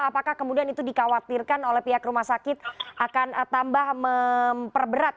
apakah kemudian itu dikhawatirkan oleh pihak rumah sakit akan tambah memperberat